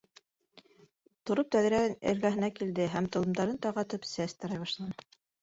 Тороп тәҙрә эргәһенә килде һәм толомдарын тағатып, сәс тарай башланы.